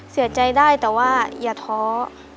เสียใจได้แต่ว่าอย่าท้อ